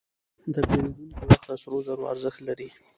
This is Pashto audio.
د پیرودونکي وخت د سرو زرو ارزښت لري.